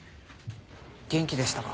元気でしたか？